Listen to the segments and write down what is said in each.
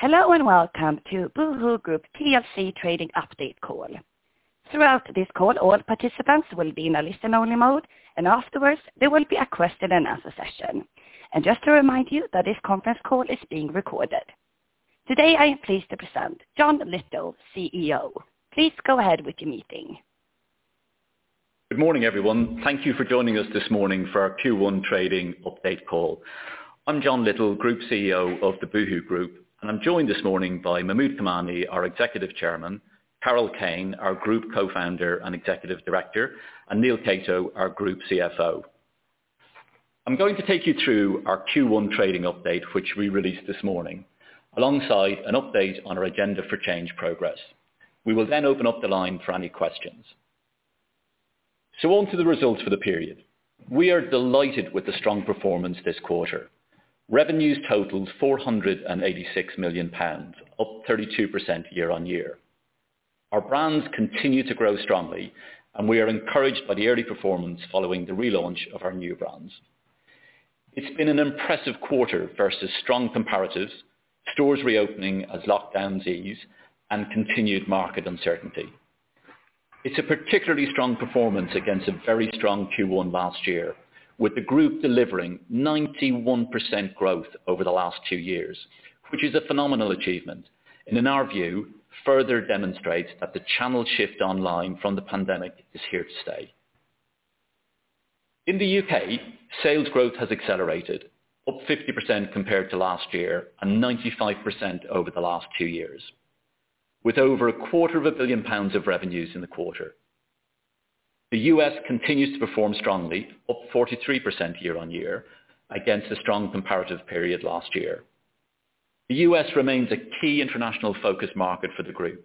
Hello, welcome to boohoo Group Q1 Trading Update Call. Throughout this call, all participants will be in a listen only mode, and afterwards there will be a question and answer session. Just to remind you that this conference call is being recorded. Today, I am pleased to present John Lyttle, CEO. Please go ahead with your meeting. Good morning, everyone. Thank you for joining us this morning for our Q1 trading update call. I'm John Lyttle, Group CEO of the boohoo group, and I'm joined this morning by Mahmud Kamani, our Executive Chairman, Carol Kane, our Group Co-Founder and Executive Director, and Neil Catto, our Group CFO. I'm going to take you through our Q1 trading update, which we released this morning, alongside an update on our Agenda for Change progress. We will then open up the line for any questions. Onto the results for the period. We are delighted with the strong performance this quarter. Revenues totaled £486 million, up 32% year-on-year. Our brands continue to grow strongly, and we are encouraged by the early performance following the relaunch of our new brands. It's been an impressive quarter versus strong comparatives, stores reopening as lockdowns ease, and continued market uncertainty. It's a particularly strong performance against a very strong Q1 last year, with the group delivering 91% growth over the last 2 years, which is a phenomenal achievement, and in our view, further demonstrates that the channel shift online from the pandemic is here to stay. In the U.K., sales growth has accelerated, up 50% compared to last year and 95% over the last 2 years, with over a quarter of a billion GBP of revenues in the quarter. The U.S. continues to perform strongly, up 43% year-on-year against a strong comparative period last year. The U.S. remains a key international focus market for the group,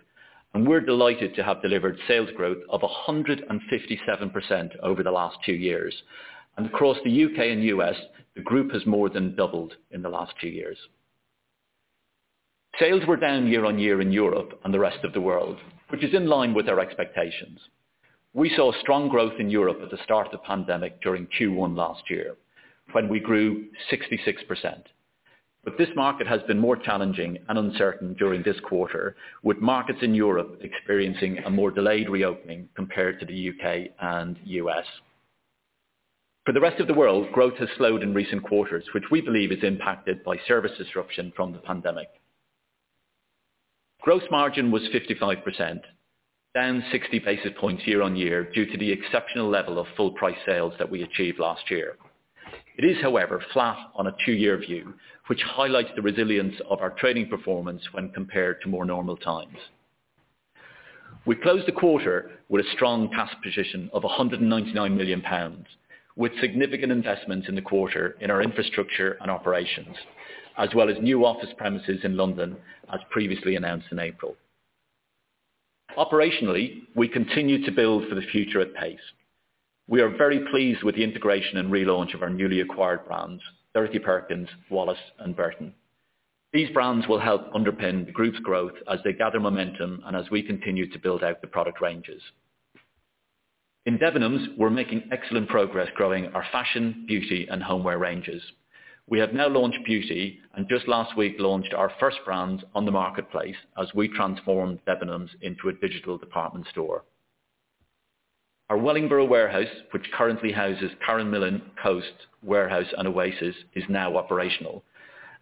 we're delighted to have delivered sales growth of 157% over the last 2 years. Across the U.K. and U.S., the group has more than doubled in the last 2 years. Sales were down year-on-year in Europe and the rest of the world, which is in line with our expectations. We saw strong growth in Europe at the start of the pandemic during Q1 last year, when we grew 66%. This market has been more challenging and uncertain during this quarter, with markets in Europe experiencing a more delayed reopening compared to the U.K. and U.S. For the rest of the world, growth has slowed in recent quarters, which we believe is impacted by service disruption from the pandemic. Gross margin was 55%, down 60 basis points year-on-year due to the exceptional level of full price sales that we achieved last year. It is, however, flat on a two-year view, which highlights the resilience of our trading performance when compared to more normal times. We closed the quarter with a strong cash position of £199 million, with significant investment in the quarter in our infrastructure and operations, as well as new office premises in London, as previously announced in April. Operationally, we continued to build for the future at pace. We are very pleased with the integration and relaunch of our newly acquired brands, Dorothy Perkins, Wallis, and Burton. These brands will help underpin the group's growth as they gather momentum and as we continue to build out the product ranges. In Debenhams, we're making excellent progress growing our fashion, beauty, and homeware ranges. We have now launched Beauty and just last week launched our first brand on the marketplace as we transform Debenhams into a digital department store. Our Wellingborough warehouse, which currently houses Karen Millen, Coast, Warehouse, and Oasis, is now operational.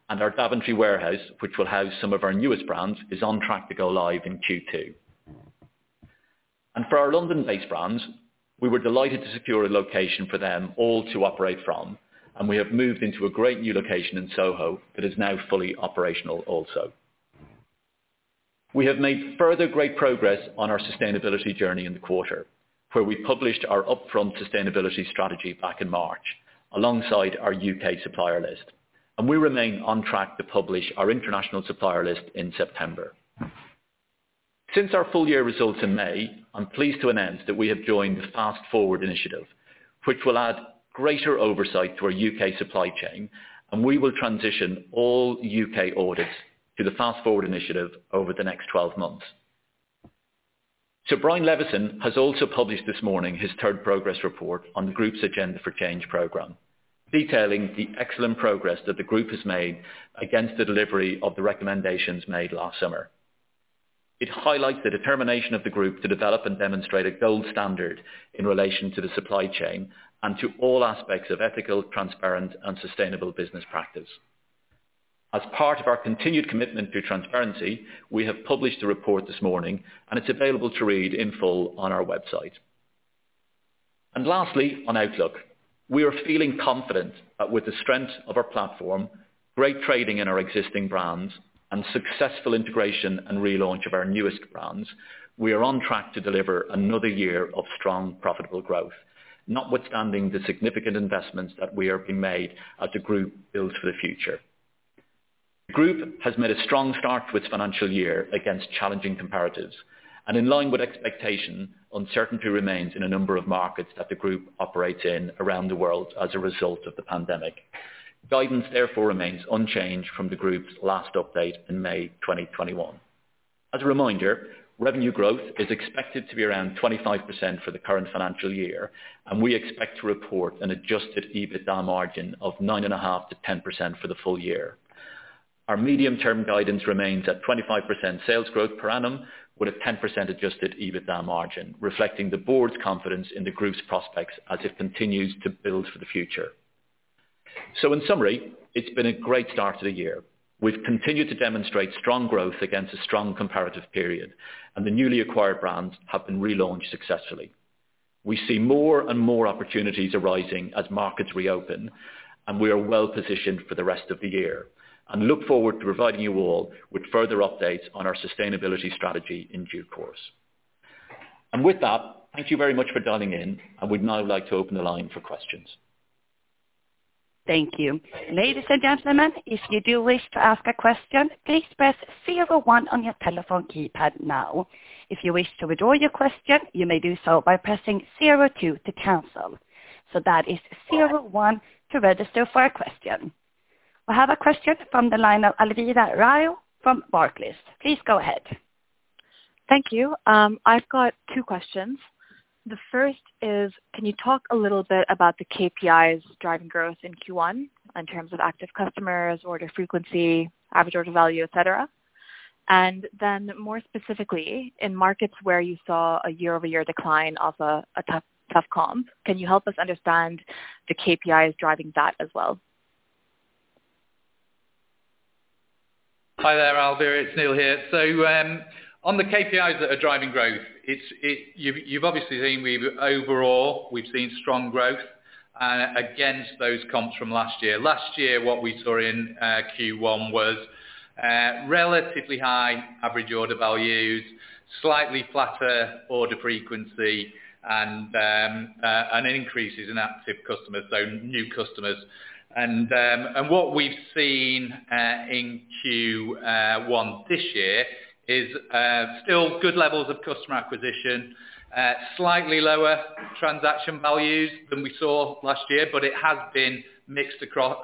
Our Daventry warehouse, which will house some of our newest brands, is on track to go live in Q2. For our London-based brands, we were delighted to secure a location for them all to operate from, and we have moved into a great new location in Soho that is now fully operational also. We have made further great progress on our sustainability journey in the quarter, where we published our upfront sustainability strategy back in March alongside our U.K. supplier list. We remain on track to publish our international supplier list in September. Since our full year results in May, I'm pleased to announce that we have joined the Fast Forward Initiative, which will add greater oversight to our U.K. supply chain, and we will transition all U.K. audits to the Fast Forward Initiative over the next 12 months. Sir Brian Leveson has also published this morning his third progress report on the group's Agenda for Change program, detailing the excellent progress that the group has made against the delivery of the recommendations made last summer. It highlights the determination of the group to develop and demonstrate a gold standard in relation to the supply chain and to all aspects of ethical, transparent and sustainable business practice. As part of our continued commitment to transparency, we have published a report this morning and it's available to read in full on our website. Lastly, on outlook, we are feeling confident that with the strength of our platform, great trading in our existing brands, and successful integration and relaunch of our newest brands, we are on track to deliver another year of strong, profitable growth. Notwithstanding the significant investments that we are being made as the group builds for the future. The group has made a strong start to its financial year against challenging comparatives. In line with expectation, uncertainty remains in a number of markets that the group operates in around the world as a result of the pandemic. Guidance therefore remains unchanged from the group's last update in May 2021. As a reminder, revenue growth is expected to be around 25% for the current financial year, and we expect to report an adjusted EBITDA margin of 9.5%-10% for the full year. Our medium-term guidance remains at 25% sales growth per annum, with a 10% adjusted EBITDA margin, reflecting the board's confidence in the group's prospects as it continues to build for the future. In summary, it's been a great start to the year. We've continued to demonstrate strong growth against a strong comparative period, and the newly acquired brands have been relaunched successfully. We see more and more opportunities arising as markets reopen, and we are well-positioned for the rest of the year and look forward to providing you all with further updates on our sustainability strategy in due course. With that, thank you very much for dialing in, and we'd now like to open the line for questions. Thank you. Ladies and gentleman, if you do wish to ask a question, please press zero one on your telephone keypad now. If you wish to withdraw your question, you may do so by pressing zero two to cancel. So that is zero one to register for a question. We have a question from the line of [Alriza Ryle] from Barclays. Please go ahead. Thank you. I've got two questions. The first is, can you talk a little bit about the KPIs driving growth in Q1 in terms of active customers, order frequency, average order value, et cetera? Then more specifically, in markets where you saw a year-over-year decline of a comp, can you help us understand the KPIs driving that as well? Hi there, Alriza. It's Neil here. On the KPIs that are driving growth, you've obviously seen overall we've seen strong growth against those comps from last year. Last year, what we saw in Q1 was relatively high average order values, slightly flatter order frequency, and an increase in active customers, so new customers. What we've seen in Q1 this year is still good levels of customer acquisition, slightly lower transaction values than we saw last year, but it has been mixed across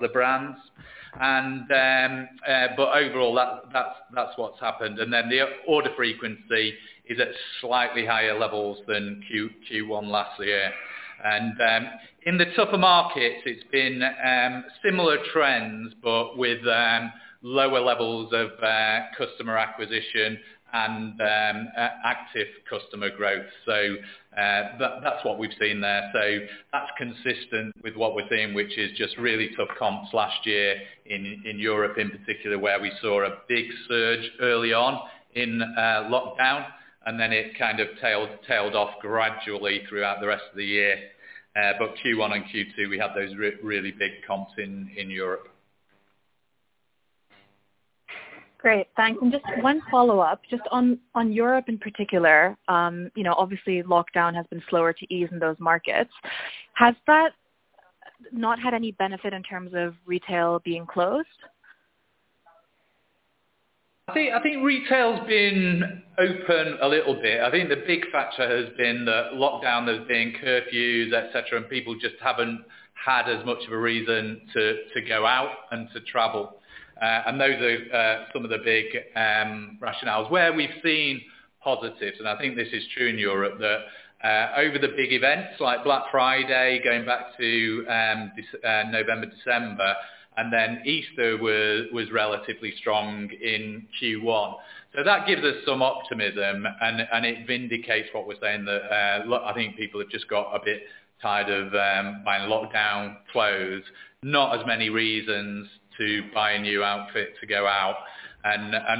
the brands. Overall, that's what's happened. The order frequency is at slightly higher levels than Q1 last year. In the tougher markets, it's been similar trends, but with lower levels of customer acquisition and active customer growth. That's what we've seen there. That's consistent with what we're seeing, which is just really tough comps last year in Europe in particular, where we saw a big surge early on in lockdown, and then it tailed off gradually throughout the rest of the year. Q1 and Q2, we had those really big comps in Europe. Great. Thanks. Just one follow-up, just on Europe in particular. Obviously, lockdown has been slower to ease in those markets. Has that not had any benefit in terms of retail being closed? I think retail's been open a little bit. I think the big factor has been that lockdown, there's been curfews, et cetera, and people just haven't had as much of a reason to go out and to travel. Those are some of the big rationales. Where we've seen positives, and I think this is true in Europe, that over the big events like Black Friday, going back to November, December, and then Easter was relatively strong in Q1. That gives us some optimism, and it vindicates what we're saying that I think people have just got a bit tired of buying lockdown clothes. Not as many reasons to buy a new outfit to go out.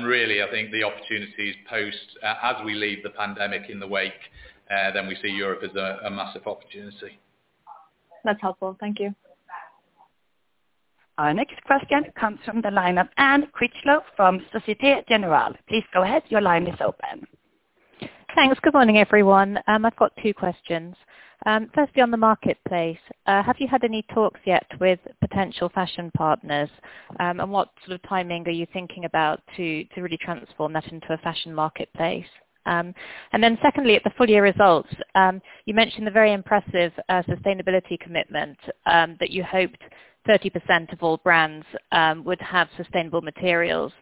Really, I think the opportunities post as we leave the pandemic in the wake, then we see Europe as a massive opportunity. That's helpful. Thank you. Our next question comes from the line of Anne Critchlow from Societe Generale. Please go ahead. Your line is open. Thanks. Good morning, everyone. I've got two questions. Firstly, on the marketplace, have you had any talks yet with potential fashion partners? What sort of timing are you thinking about to really transform that into a fashion marketplace? Secondly, at the full year results, you mentioned a very impressive sustainability commitment that you hoped 30% of all brands would have sustainable materials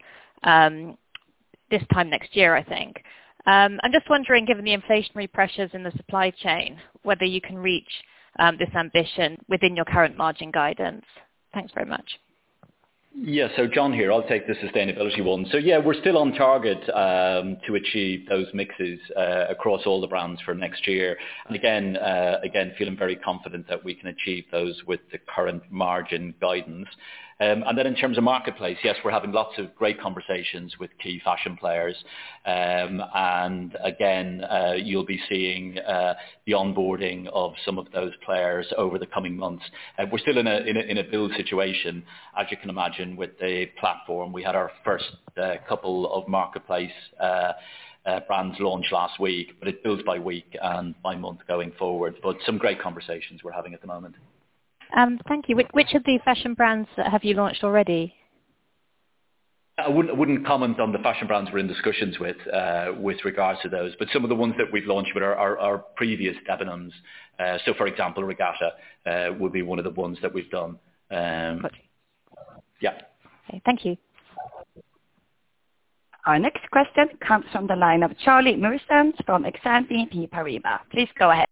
this time next year, I think. I'm just wondering, given the inflationary pressures in the supply chain, whether you can reach this ambition within your current margin guidance. Thanks very much. John here. I'll take the sustainability one. We're still on target to achieve those mixes across all the brands for next year. Again, feeling very confident that we can achieve those with the current margin guidance. In terms of marketplace, yes, we're having lots of great conversations with key fashion players. Again, you'll be seeing the onboarding of some of those players over the coming months. We're still in a build situation, as you can imagine, with the platform. We had our first 2 marketplace brands launch last week, but it builds by week and by month going forward. Some great conversations we're having at the moment. Thank you. Which of these fashion brands have you launched already? I wouldn't comment on the fashion brands we're in discussions with regards to those. Some of the ones that we've launched with are previous evidence. For example, Regatta would be one of the ones that we've done. Yeah. Thank you. Our next question comes from the line of Charlie Muir-Sands from Exane BNP Paribas. Please go ahead.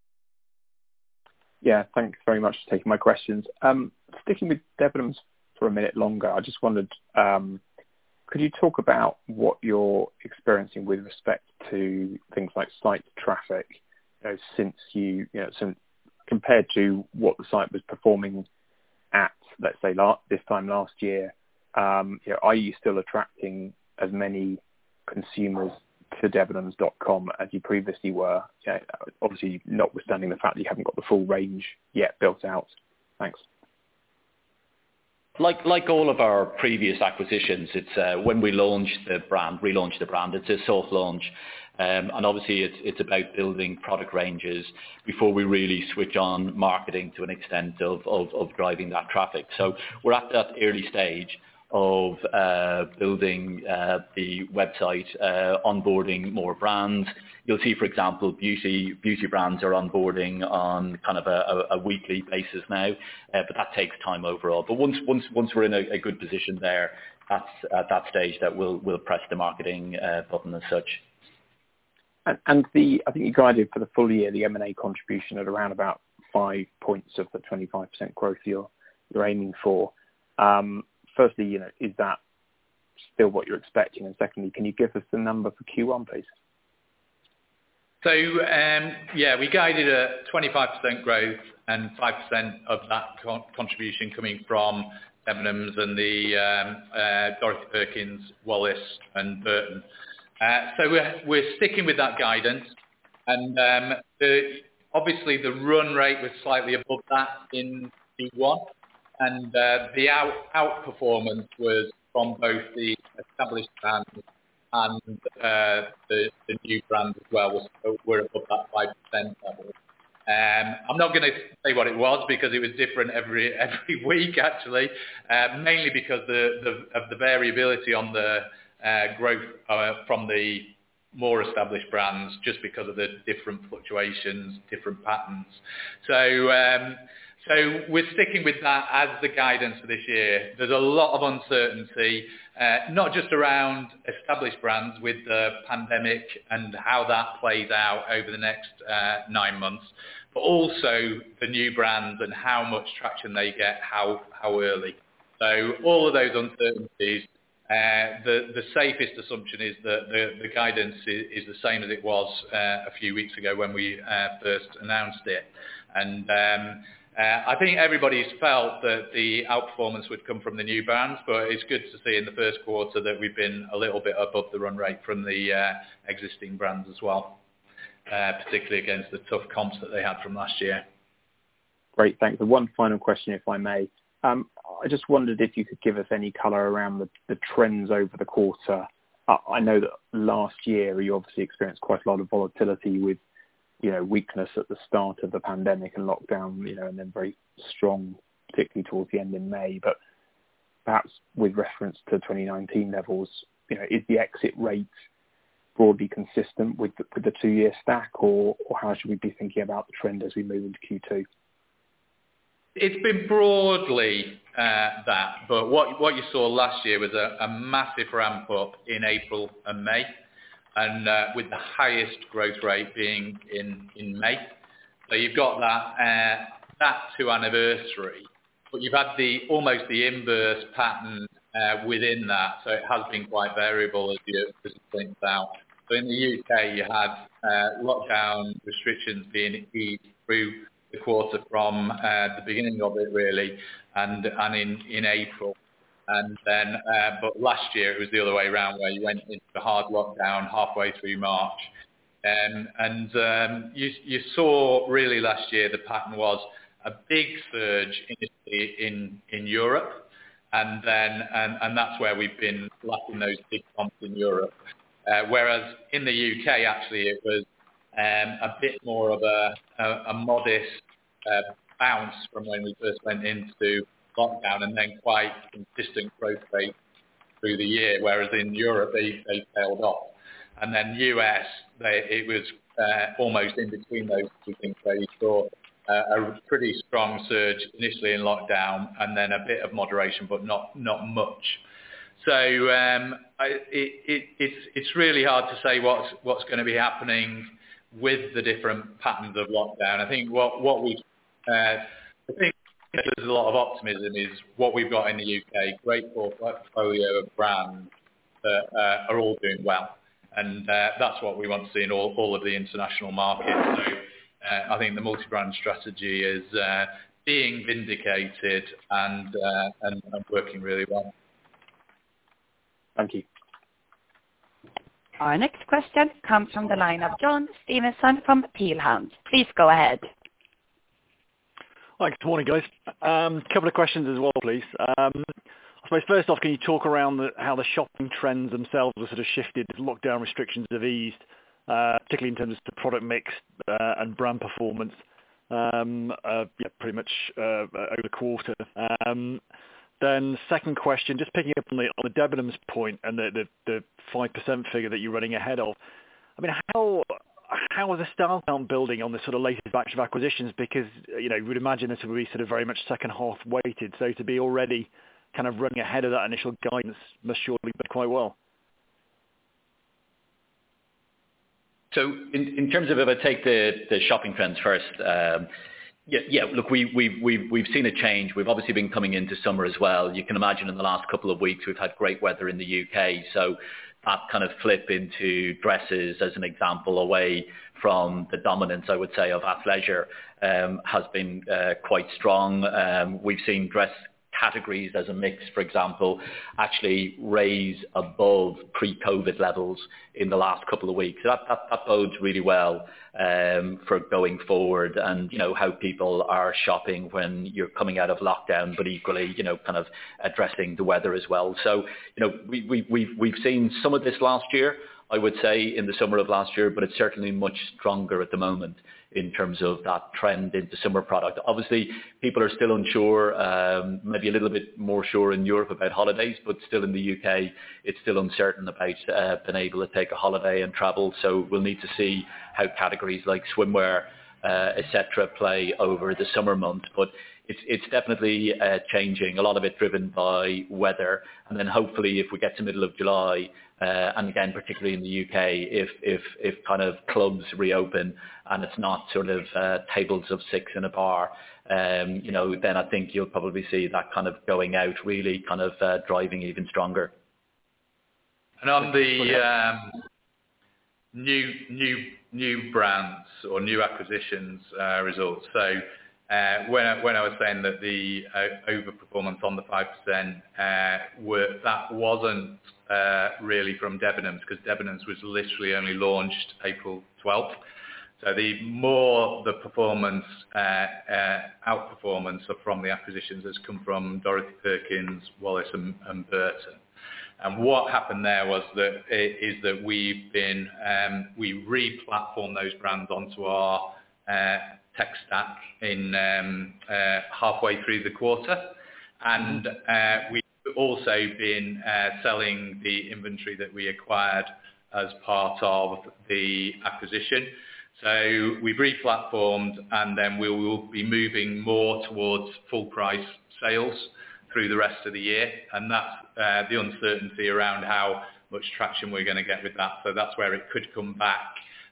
Yeah. Thanks very much for taking my questions. Sticking with Debenhams for a minute longer, I just wondered, could you talk about what you're experiencing with respect to things like site traffic compared to what the site was performing at, let's say this time last year? Are you still attracting as many consumers to debenhams.com as you previously were? Obviously notwithstanding the fact that you haven't got the full range yet built out. Thanks. Like all of our previous acquisitions, when we relaunch the brand, it's a soft launch. Obviously, it's about building product ranges before we really switch on marketing to an extent of driving that traffic. We're at that early stage of building the website, onboarding more brands. You'll see, for example, beauty brands are onboarding on a weekly basis now, but that takes time overall. Once we're in a good position there at that stage, then we'll press the marketing button as such. I think you guided for the full year the M&A contribution at around about 5 points of the 25% growth you're aiming for. Firstly, is that still what you're expecting, and secondly, can you give us a number for Q1, please? Yeah, we guided at 25% growth and 5% of that contribution coming from Debenhams and the Dorothy Perkins, Wallis, and Burton. We're sticking with that guidance. Obviously the run rate was slightly above that in Q1, and the outperformance was from both the established brands and the new brands as well, so we're above that 5% level. I'm not going to say what it was because it was different every week, actually. Mainly because of the variability on the growth from the more established brands, just because of the different fluctuations, different patterns. We're sticking with that as the guidance for this year. There's a lot of uncertainty, not just around established brands with the pandemic and how that plays out over the next 9 months, but also for new brands and how much traction they get, how early. All of those uncertainties, the safest assumption is that the guidance is the same as it was a few weeks ago when we first announced it. I think everybody's felt that the outperformance would come from the new brands, but it's good to see in the first quarter that we've been a little bit above the run rate from the existing brands as well, particularly against the tough comps that they had from last year. Great. Thank you. One final question, if I may. I just wondered if you could give us any color around the trends over the quarter. I know that last year we obviously experienced quite a lot of volatility with weakness at the start of the pandemic and lockdown, and then very strong, particularly towards the end of May. Perhaps with reference to 2019 levels, is the exit rate broadly consistent for the 2-year stack, or how should we be thinking about the trend as we move into Q2? It's been broadly that, but what you saw last year was a massive ramp-up in April and May, and with the highest growth rate being in May. You've got that back to anniversary. You've had almost the inverse pattern within that, so it has been quite variable, as you just pointed out. In the U.K., you had lockdown restrictions being eased through the quarter from the beginning of it, really, and in April. Last year it was the other way around where you went into the hard lockdown halfway through March. You saw really last year the pattern was a big surge initially in Europe. That's where we've been lacking those big comps in Europe. In the U.K., actually, it was a bit more of a modest bounce from when we first went into lockdown and then quite consistent growth rates through the year. In Europe, they've tailed off. In the U.S., it was almost in between those 2 things where you saw a pretty strong surge initially in lockdown and then a bit of moderation, but not much. It's really hard to say what's going to be happening with the different patterns of lockdown. I think what gives us a lot of optimism is what we've got in the U.K., a great portfolio of brands that are all doing well, and that's what we want to see in all of the international markets. I think the multi-brand strategy is being vindicated and working really well. Thank you. Our next question comes from the line of John Stevenson from Peel Hunt. Please go ahead. Hi, good morning, guys. A couple of questions as well, please. I mean first off, can you talk around how the shopping trends themselves have shifted with lockdown restrictions have eased, particularly in terms of product mix and brand performance pretty much over the quarter? Second question, just picking up on the Debenhams point and the 5% figure that you're running ahead of. How was the start on building on the latest batch of acquisitions? We'd imagine this would be very much second half weighted. To be already running ahead of that initial guidance must surely be quite well. In terms of, if I take the shopping trends first, we've seen a change. We've obviously been coming into summer as well. You can imagine in the last couple of weeks, we've had great weather in the U.K., that flip into dresses, as an example, away from the dominance, I would say, of athleisure, has been quite strong. We've seen dress categories as a mix, for example, actually raise above pre-COVID levels in the last couple of weeks. That bodes really well for going forward and how people are shopping when you're coming out of lockdown, equally, addressing the weather as well. We've seen some of this last year, I would say, in the summer of last year, it's certainly much stronger at the moment in terms of that trend into summer product. Obviously, people are still unsure, maybe a little bit more sure in Europe about holidays, still in the U.K., it's still uncertain about being able to take a holiday and travel. We'll need to see how categories like swimwear, et cetera, play over the summer months. It's definitely changing. A lot of it driven by weather. Then hopefully, if we get to the middle of July, and again, particularly in the U.K., if clubs reopen and it's not tables of six in a bar, then I think you'll probably see that going out really driving even stronger. On the new brands or new acquisitions results. When I was saying that the overperformance on the 5% were, that wasn't really from Debenhams, because Debenhams was literally only launched April 12th. The more the performance, outperformance from the acquisitions has come from Dorothy Perkins, Wallis, and Burton. What happened there is that we re-platformed those brands onto our tech stack halfway through the quarter. We've also been selling the inventory that we acquired as part of the acquisition. We re-platformed, we will be moving more towards full price sales through the rest of the year. The uncertainty around how much traction we're going to get with that. That's where it could come back.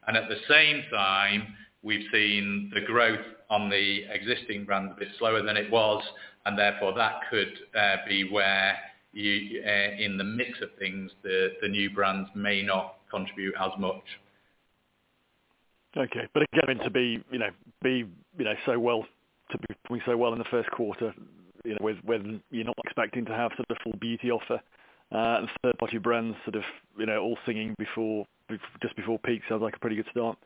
At the same time, we've seen the growth on the existing brands a bit slower than it was, therefore that could be where, in the mix of things, the new brands may not contribute as much. Okay. Given to be so well in the first quarter, when you're not expecting to have the full beauty offer and third-party brands all singing before, just before peak, sounds like a pretty good start.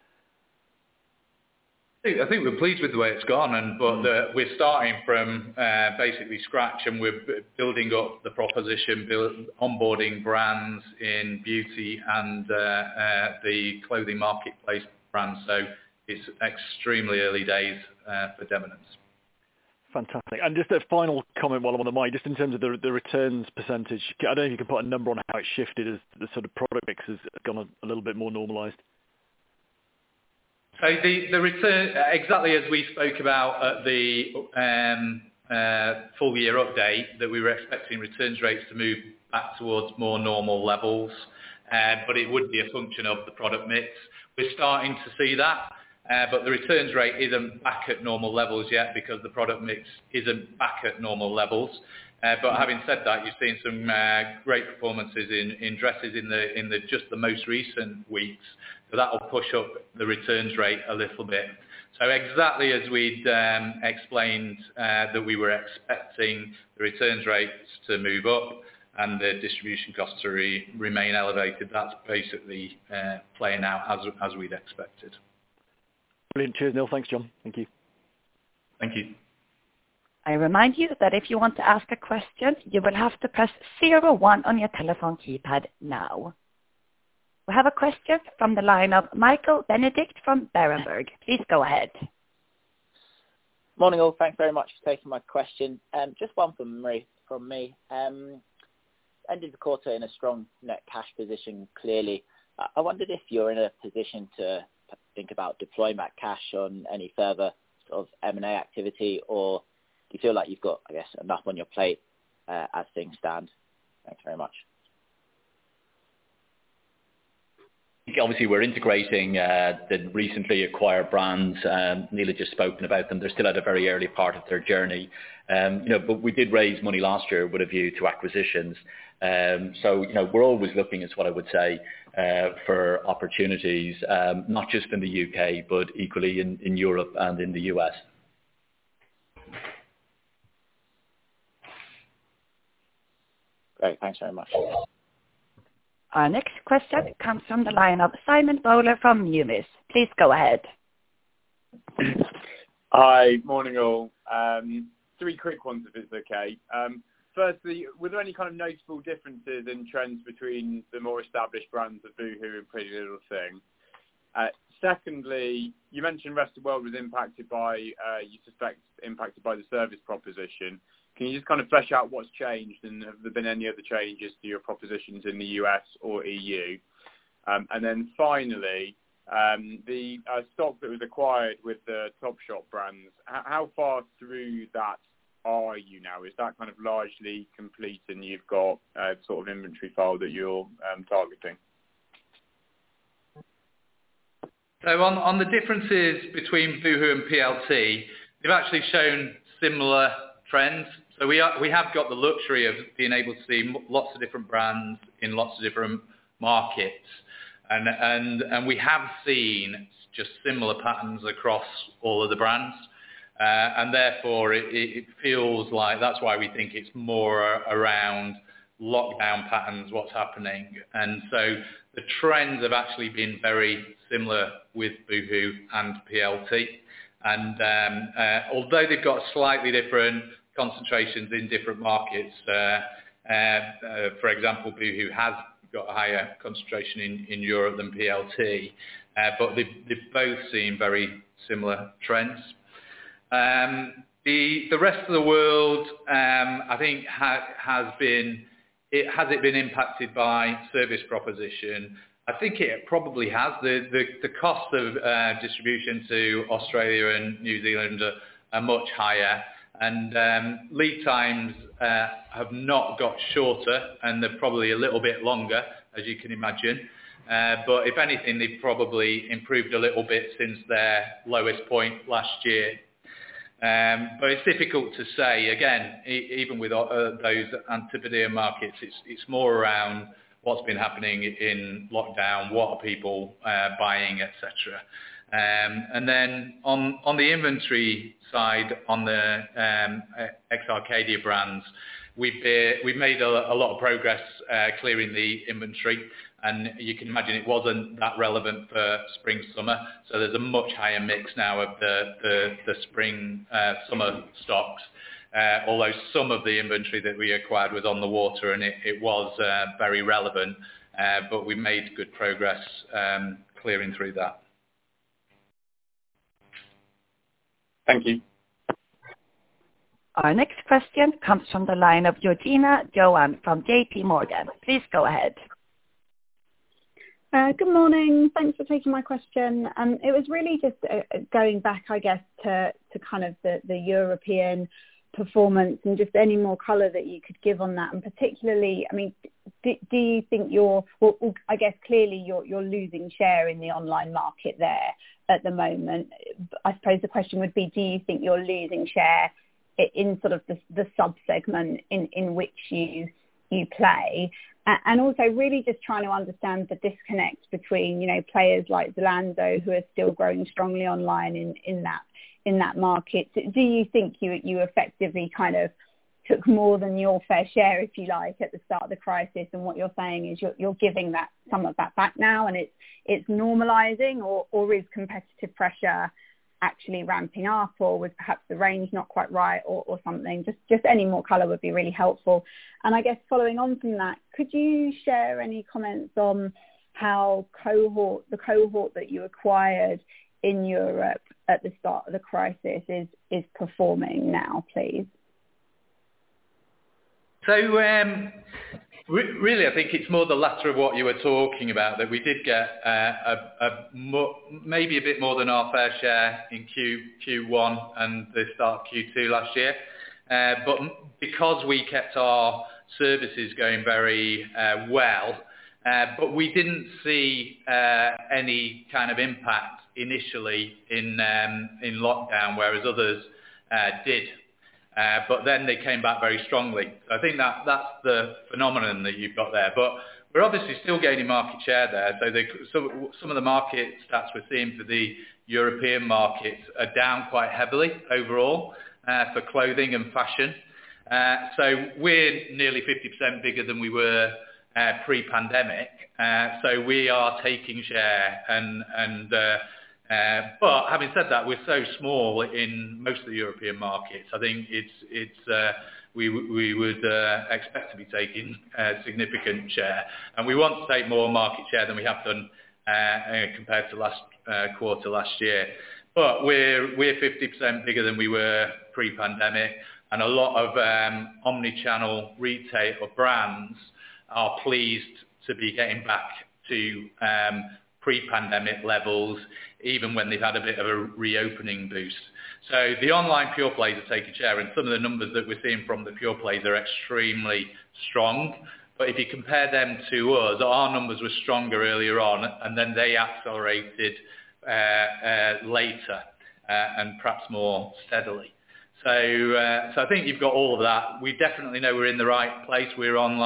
I think we're pleased with the way it's gone, but we're starting from basically scratch, and we're building up the proposition, building onboarding brands in beauty and the clothing marketplace brand. It's extremely early days for Debenhams. Fantastic. Just a final comment I want to make, just in terms of the returns percentage. I don't know if you can put a number on how it's shifted as the product mix has gone a little bit more normalized. The return, exactly as we spoke about at the full year update, that we were expecting returns rates to move back towards more normal levels, but it would be a function of the product mix. We're starting to see that, but the returns rate isn't back at normal levels yet because the product mix isn't back at normal levels. Having said that, you've seen some great performances in dresses in just the most recent weeks. That'll push up the returns rate a little bit. Exactly as we'd explained, that we were expecting the returns rates to move up and the distribution costs to remain elevated. That's basically playing out as we'd expected. Brilliant. No, thanks, John. Thank you. Thank you. I remind you that if you want to ask a question, you will have to press zero one on your telephone keypad now. We have a question from the line of Michael Benedict from Berenberg. Please go ahead. Morning, all. Thank you very much for taking my question. Just one from me. Ended the quarter in a strong net cash position, clearly. I wondered if you're in a position to think about deploying that cash on any further M&A activity, or do you feel like you've got, I guess, enough on your plate as things stand? Thanks very much. We're integrating the recently acquired brands. Neil just spoken about them. They're still at a very early part of their journey. We did raise money last year with a view to acquisitions. We're always looking is what I would say, for opportunities, not just in the U.K., but equally in Europe and in the U.S. Great. Thanks very much. Our next question comes from the line of Simon Bowler from Numis. Please go ahead. Hi. Morning, all. Three quick ones, if it's okay. Firstly, were there any noticeable differences in trends between the more established brands of boohoo and PrettyLittleThing? Secondly, you mentioned Rest of World was impacted by the service proposition. Can you just flesh out what's changed and have there been any other changes to your propositions in the U.S. or E.U.? Finally, the stock that was acquired with the Topshop brands. How far through that are you now? Is that largely complete and you've got an inventory file that you're targeting? On the differences between boohoo and PLT, they've actually shown similar trends. So we have got the luxury of being able to see lots of different brands in lots of different markets, and we have seen just similar patterns across all of the brands. Therefore, it feels like that's why we think it's more around lockdown patterns, what's happening. The trends have actually been very similar with boohoo and PLT. Although they've got slightly different concentrations in different markets, for example, boohoo has got a higher concentration in Europe than PLT, but they've both seen very similar trends. The rest of the world, I think, has it been impacted by service proposition? I think it probably has. The cost of distribution to Australia and New Zealand are much higher and lead times have not got shorter, and they're probably a little bit longer, as you can imagine. If anything, they've probably improved a little bit since their lowest point last year. It's difficult to say again, even with those Antipodean markets, it's more around what's been happening in lockdown, what are people buying, et cetera. On the inventory side, on the Arcadia brands, we've made a lot of progress clearing the inventory. You can imagine it wasn't that relevant for spring/summer. There's a much higher mix now of the spring/summer stocks. Although some of the inventory that we acquired was on the water, and it was very relevant. We made good progress clearing through that. Thank you. Our next question comes from the line of Georgina Johanan from JPMorgan. Please go ahead. Good morning. Thanks for taking my question. It was really just going back, I guess, to the European performance and just any more color that you could give on that. Particularly, I guess, clearly you're losing share in the online market there at the moment. I suppose the question would be, do you think you're losing share in the sub-segment in which you play? Also really just trying to understand the disconnect between players like Zalando who are still growing strongly online in that market. Do you think you effectively took more than your fair share, if you like, at the start of the crisis, and what you're saying is you're giving some of that back now, and it's normalizing or is competitive pressure actually ramping up, or was perhaps the range not quite right or something? Just any more color would be really helpful. I guess following on from that, could you share any comments on how the cohort that you acquired in Europe at the start of the crisis is performing now, please? Really, I think it's more the latter of what you were talking about, that we did get maybe a bit more than our fair share in Q1 and the start of Q2 last year. Because we kept our services going very well, but we didn't see any impact initially in lockdown, whereas others did. Then they came back very strongly. I think that's the phenomenon that you've got there. We're obviously still gaining market share there. Some of the markets that we're seeing for the European markets are down quite heavily overall for clothing and fashion. We're nearly 50% bigger than we were pre-pandemic. We are taking share, but having said that, we're so small in most of the European markets, I think we would expect to be taking significant share. We want to take more market share than we have done compared to quarter last year. We're 50% bigger than we were pre-pandemic, and a lot of omni-channel retail or brands are pleased to be getting back to pre-pandemic levels, even when they've had a bit of a re-opening boost. The online pure plays are taking share, and some of the numbers that we're seeing from the pure plays are extremely strong. If you compare them to us, our numbers were stronger earlier on, and then they accelerated later, and perhaps more steadily. I think you've got all of that. We definitely know we're in the right place. We're an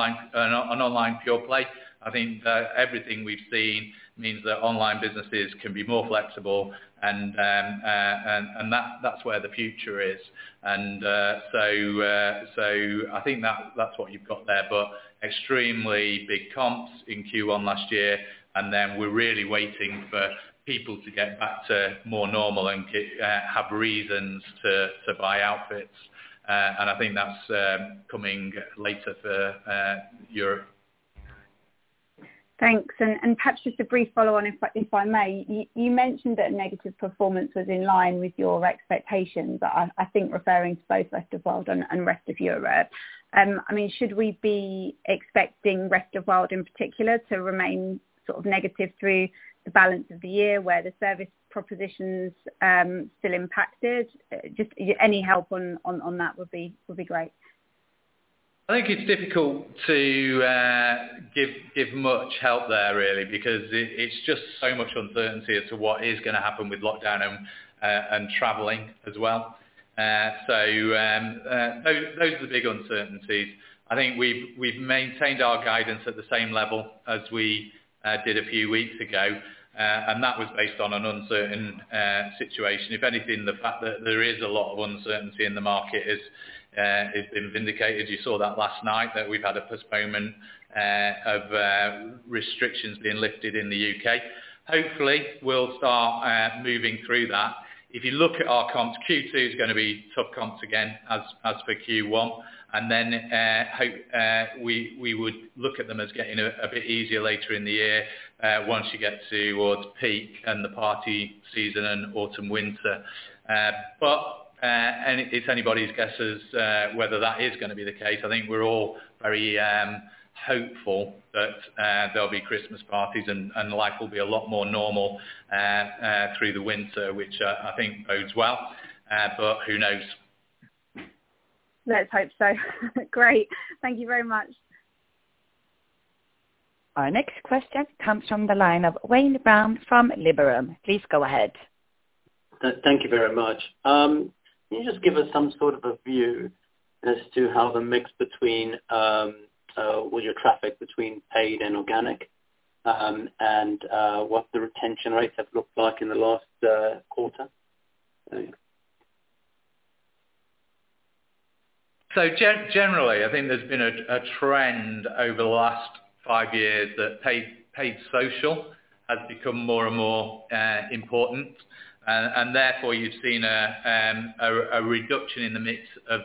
online pure play. I think everything we've seen means that online businesses can be more flexible and that's where the future is. I think that's what you've got there. Extremely big comps in Q1 last year, and then we're really waiting for people to get back to more normal and have reasons to buy outfits. I think that's coming later for Europe. Thanks. Perhaps just a brief follow-on if I may. You mentioned that negative performance was in line with your expectations, I think referring to both rest of world and rest of Europe. Should we be expecting rest of world in particular to remain negative through the balance of the year, where the service proposition's still impacted? Just any help on that would be great. I think it's difficult to give much help there really, because it's just so much uncertainty as to what is going to happen with lockdown and traveling as well. Those are the big uncertainties. I think we've maintained our guidance at the same level as we did a few weeks ago, and that was based on an uncertain situation. If anything, the fact that there is a lot of uncertainty in the market has been vindicated. You saw that last night, that we've had a postponement of restrictions being lifted in the U.K. Hopefully, we'll start moving through that. If you look at our comps, Q2 is going to be tough comps again as for Q1. We would look at them as getting a bit easier later in the year, once you get towards peak and the party season and autumn, winter. It's anybody's guesses whether that is going to be the case. I think we're all very hopeful that there'll be Christmas parties and life will be a lot more normal through the winter, which I think bodes well. Who knows? Let's hope so. Great. Thank you very much. Our next question comes from the line of Wayne Brown from Liberum. Please go ahead. Thank you very much. Can you just give us some sort of a view as to how the mix between all your traffic between paid and organic, and what the retention rate has looked like in the last quarter? Thanks. Generally, I think there's been a trend over the last 5 years that paid social has become more and more important, and therefore you've seen a reduction in the mix of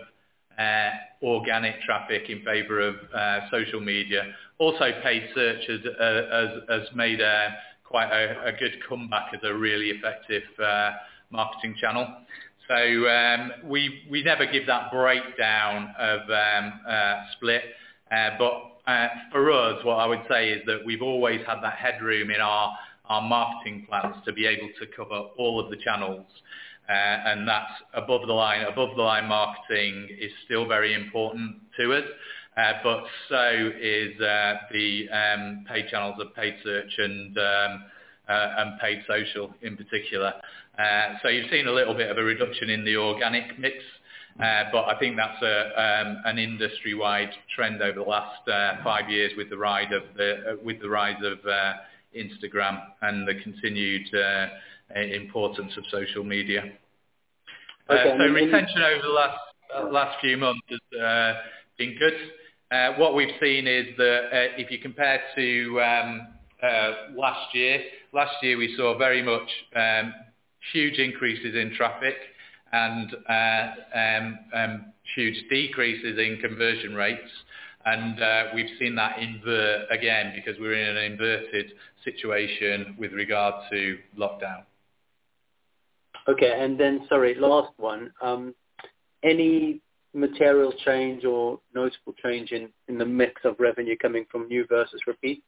organic traffic in favor of social media. Also paid search has made quite a good comeback as a really effective marketing channel. We never give that breakdown of split. For us, what I would say is that we've always had the headroom in our marketing plans to be able to cover all of the channels, and above the line marketing is still very important to us. So is the paid channels of paid search and paid social in particular. You've seen a little bit of a reduction in the organic mix, but I think that's an industry-wide trend over the last five years with the rise of Instagram and the continued importance of social media. Retention over the last few months has been good. What we've seen is that if you compare to last year, last year we saw very much huge increases in traffic and huge decreases in conversion rates. We've seen that invert again because we're in an inverted situation with regard to lockdown. Sorry, last one. Any material change or noticeable change in the mix of revenue coming from new versus repeat?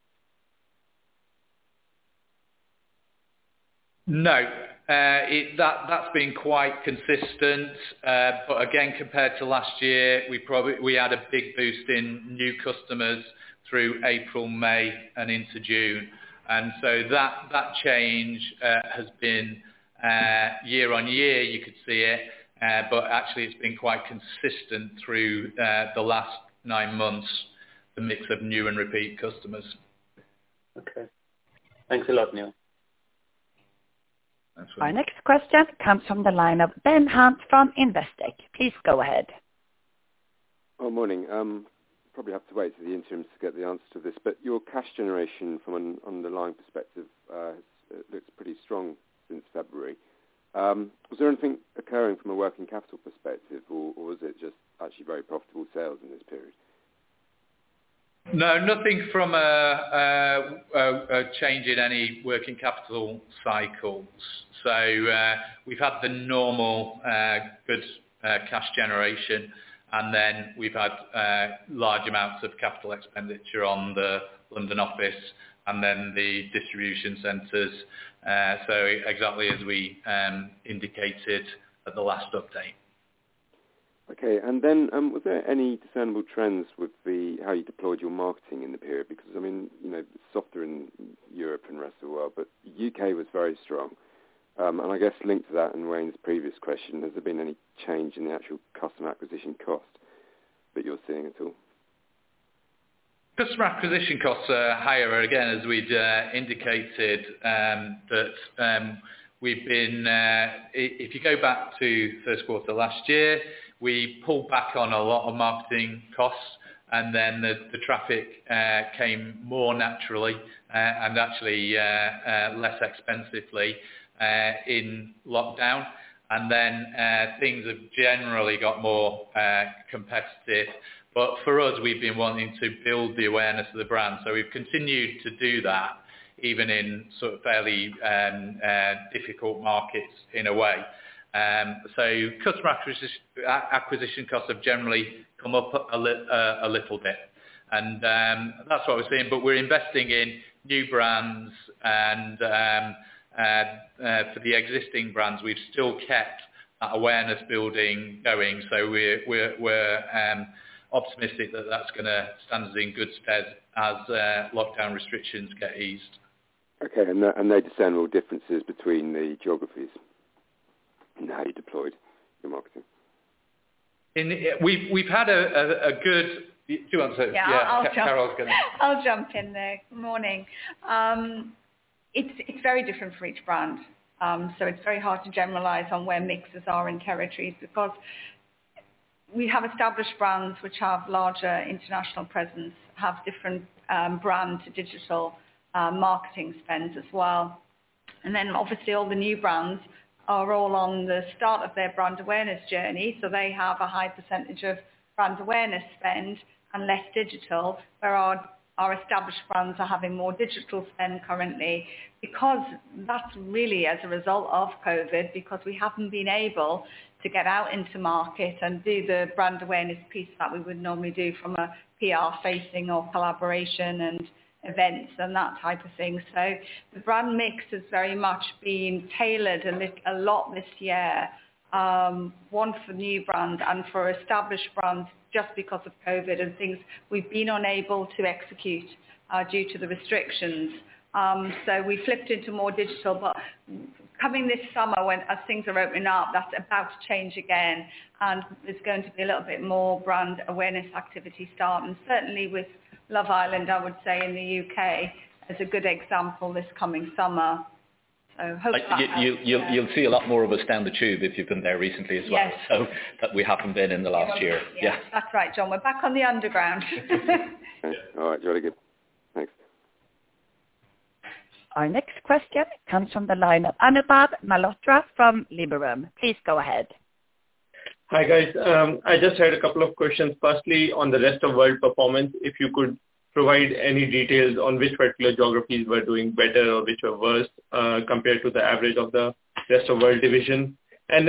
No. That's been quite consistent. Again, compared to last year, we had a big boost in new customers through April, May, and into June. That change has been year-on-year, you could see it, but actually it's been quite consistent through the last 9 months, the mix of new and repeat customers. Okay. Thanks a lot, Neil. Our next question comes from the line of Ben Hunt from Investec. Please go ahead. Morning. Probably have to wait for the interims to get the answer to this, but your cash generation from an underlying perspective looks pretty strong since February. Was there anything occurring from a working capital perspective, or was it just actually very profitable sales in this period? No, nothing from a change in any working capital cycles. We've had the normal good cash generation, and then we've had large amounts of capital expenditure on the London office and then the distribution centers. Exactly as we indicated at the last update. Okay. Then were there any discernible trends with how you deployed your marketing in the period? Softer in Europe and rest of the world, but U.K. was very strong. I guess linked to that and Wayne's previous question, has there been any change in the actual customer acquisition cost that you're seeing at all? Customer acquisition costs are higher again, as we'd indicated. If you go back to first quarter last year, we pulled back on a lot of marketing costs and then the traffic came more naturally and actually less expensively in lockdown. Things have generally got more competitive. For us, we've been wanting to build the awareness of the brand. We've continued to do that even in fairly difficult markets in a way. Customer acquisition costs have generally come up a little bit, and that's what we've seen. We're investing in new brands and for the existing brands, we've still kept that awareness building going. We're optimistic that that's going to stand us in good stead as lockdown restrictions get eased. Okay. Are there discernible differences between the geographies in how you deploy your marketing? We've had. Do you want to take it? Yeah. Yeah. I'll jump in there. Good morning. It's very different for each brand, so it's very hard to generalize on where mixes are in territories because we have established brands which have larger international presence, have different brand to digital marketing spend as well. Obviously, all the new brands are all on the start of their brand awareness journey. They have a high percentage of brand awareness spend and less digital. Where our established brands are having more digital spend currently because that's really as a result of COVID because we haven't been able to get out into markets and do the brand awareness piece that we would normally do from a PR facing or collaboration and events and that type of thing. The brand mix has very much been tailored a lot this year, one for new brands and for established brands just because of COVID and things we've been unable to execute due to the restrictions. We've shifted to more digital. Coming this summer when things are opening up, that's about to change again and there's going to be a little bit more brand awareness activity starting, certainly with Love Island, I would say in the U.K. as a good example this coming summer. Hope that answers. You'll see a lot more of us down The Tube if you've been there recently as well. Yes. We haven't been in the last year. That's right, John. We're back on the Underground. All right. Very good. Thanks. Our next question comes from the line of Anubhav Malhotra from Liberum. Please go ahead. Hi, guys. I just had a couple of questions. Firstly, on the rest of world performance, if you could provide any details on which particular geographies were doing better or which are worse, compared to the average of the rest of world division. As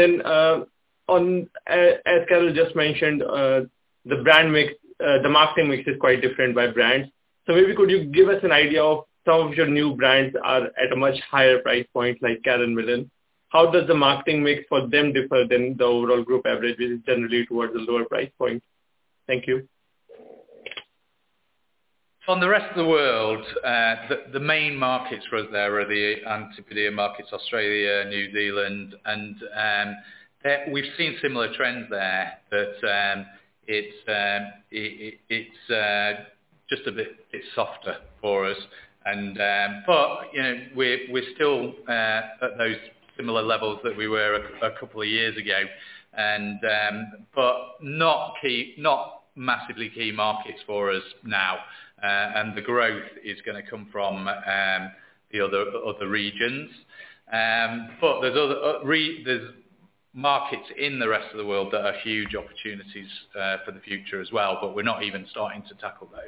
Carol just mentioned, the marketing mix is quite different by brand. Maybe could you give us an idea of some of your new brands are at a much higher price point, like Karen Millen. How does the marketing mix for them differ than the overall group average is generally towards the lower price point? Thank you. On the rest of the world, the main markets were there are the Antipodean markets, Australia, New Zealand, we've seen similar trends there, it's just a bit softer for us. We're still at those similar levels that we were a couple of years ago, not massively key markets for us now. The growth is going to come from the other regions. There's markets in the rest of the world that are huge opportunities for the future as well, we're not even starting to tackle those.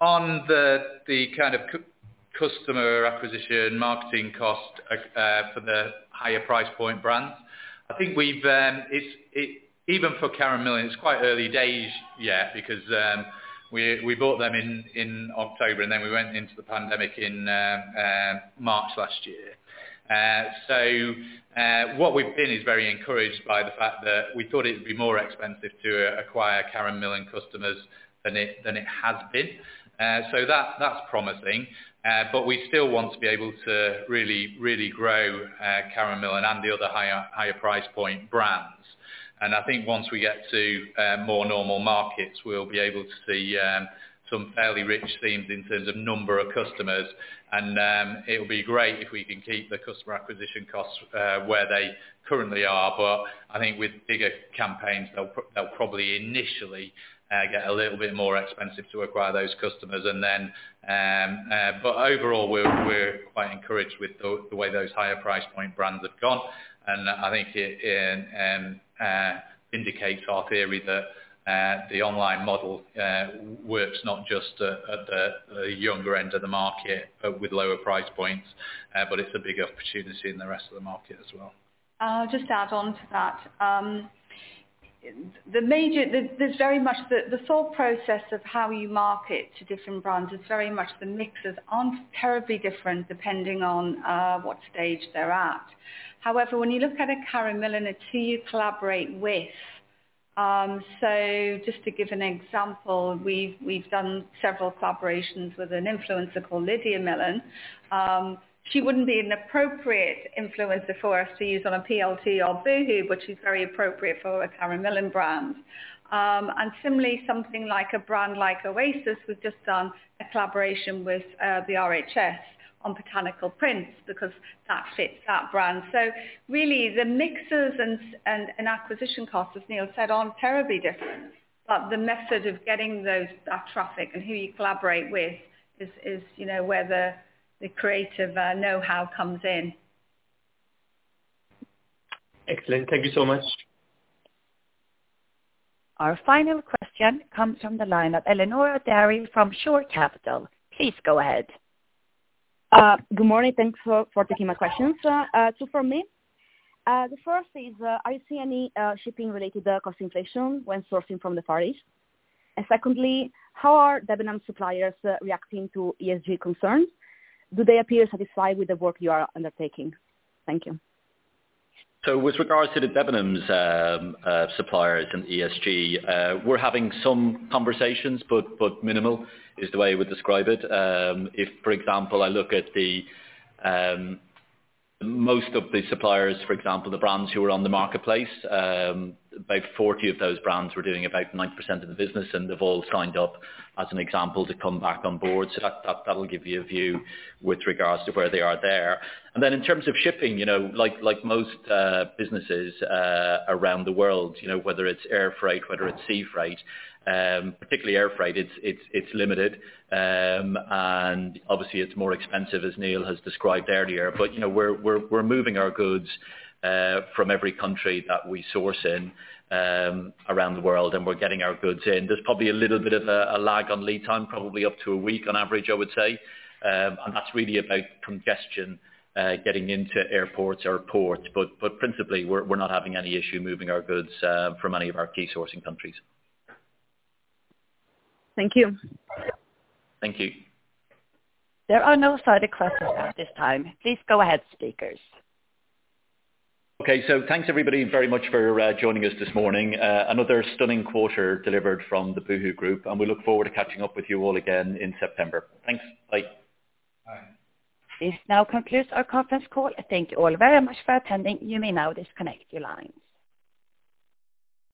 On the kind of customer acquisition marketing cost for the higher price point brands, I think even for Karen Millen, it's quite early days yet because we bought them in October, we went into the pandemic in March last year. What we've been is very encouraged by the fact that we thought it would be more expensive to acquire Karen Millen customers than it has been. That's promising. We still want to be able to really grow Karen Millen and the other higher price point brands. I think once we get to more normal markets, we'll be able to see some fairly rich themes in terms of number of customers, and it'll be great if we can keep the customer acquisition costs where they currently are. I think with bigger campaigns, they'll probably initially get a little bit more expensive to acquire those customers. Overall, we're quite encouraged with the way those higher price point brands have gone, and I think it indicates our theory that the online model works not just at the younger end of the market with lower price points, but it's a big opportunity in the rest of the market as well. I'll just add on to that. The thought process of how you market to different brands is very much the mixes aren't terribly different depending on what stage they're at. However, when you look at a Karen Millen, it's who you collaborate with. Just to give an example, we've done several collaborations with an influencer called Lydia Millen. She wouldn't be an appropriate influencer for us to use on a PLT or boohoo, but she's very appropriate for a Karen Millen brand. Similarly, something like a brand like Oasis, we've just done a collaboration with the RHS on botanical prints because that fits that brand. Really, the mixes and acquisition costs, as Neil said, aren't terribly different. The method of getting that traffic and who you collaborate with is where the creative know-how comes in. Excellent. Thank you so much. Our final question comes from the line of Eleonora Dani from Shore Capital. Please go ahead. Good morning. Thanks for taking my questions. Two from me. The first is, do you see any shipping-related concentration when sourcing from the Far East? Secondly, how are Debenhams suppliers reacting to ESG concerns? Do they appear satisfied with the work you are undertaking? Thank you. With regards to the Debenhams suppliers and ESG, we're having some conversations, but minimal is the way I would describe it. If, for example, I look at most of the suppliers, for example, the brands who are on the marketplace, about 40 of those brands were doing about 90% of the business, and they've all signed up as an example to come back on board. That'll give you a view with regards to where they are there. In terms of shipping, like most businesses around the world, whether it's air freight, whether it's sea freight, particularly air freight, it's limited. Obviously it's more expensive, as Neil has described earlier. We're moving our goods from every country that we source in around the world, and we're getting our goods in. There's probably a little bit of a lag on lead time, probably up to a week on average, I would say. That's really about congestion getting into airports or ports. Principally, we're not having any issue moving our goods from any of our key sourcing countries. Thank you. Thank you. There are no further questions at this time. Please go ahead, speakers. Okay, thanks everybody very much for joining us this morning. Another stunning quarter delivered from the boohoo group, and we look forward to catching up with you all again in September. Thanks. Bye. Bye. This now concludes our conference call. Thank you all very much for attending. You may now disconnect your lines.